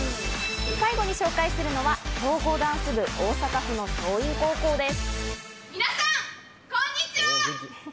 最後に紹介するのは強豪ダンス部、大阪府の樟蔭高校です。